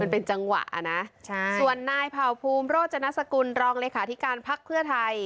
เป็นจังหวะนะส่วนนายเผ่าภูมิโรจนสกุลรองเลขาธิการพักเพื่อไทย